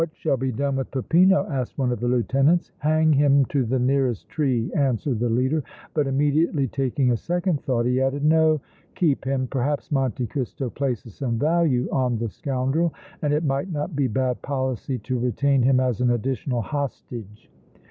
"What shall be done with Peppino?" asked one of the lieutenants. "Hang him to the nearest tree!" answered the leader, but, immediately taking a second thought, he added: "No. Keep him! Perhaps Monte Cristo places some value on the scoundrel and it might not be bad policy to retain him as an additional hostage!"